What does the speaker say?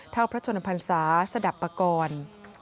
เท่าพระชนพันธ์ศาสตร์สดับปกรณ์